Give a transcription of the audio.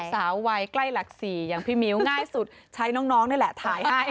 ฉันไม่เข้าใจเขียงว่าสนดูเปล่า